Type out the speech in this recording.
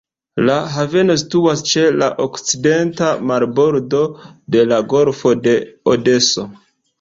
La haveno situas ĉe la okcidenta marbordo de la golfo de Odeso.